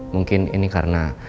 mungkin ini karena